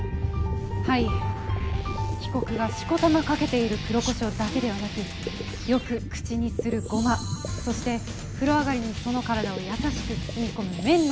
はい被告がしこたまかけている黒コショウだけではなくよく口にするゴマそして風呂上がりにその体を優しく包み込む綿のタオル。